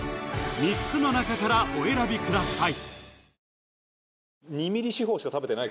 ３つの中からお選びください